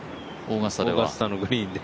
オーガスタのグリーンで。